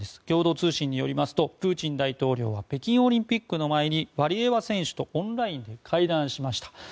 共同通信によりますとプーチン大統領は北京オリンピックの前にワリエワ選手とオンラインで会談しました。